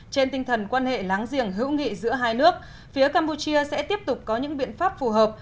trên tinh thần quan hệ láng giềng hữu nghị giữa hai nước phía campuchia sẽ tiếp tục có những biện pháp phù hợp